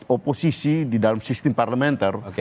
oposisi di dalam sistem parlementer